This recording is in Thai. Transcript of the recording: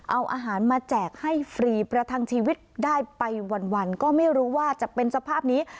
เอาอาหารมาแจกให้ฟรีประทังชีวิตได้ไปวันก็ไม่รู้ว่าจะเป็นสภาพนี้